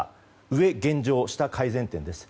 上、現状下、改善点です。